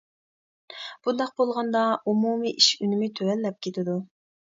بۇنداق بولغاندا، ئومۇمىي ئىش ئۈنۈمى تۆۋەنلەپ كېتىدۇ.